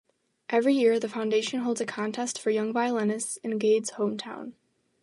Every year the foundation holds a contest for young violinists in Gade's hometown.